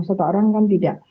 satu orang kan tidak